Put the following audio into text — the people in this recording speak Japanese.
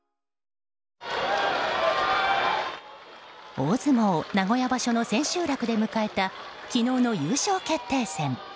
大相撲名古屋場所の千秋楽で迎えた昨日の優勝決定戦。